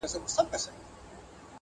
حقيقت د وخت په تېرېدو کم نه کيږي-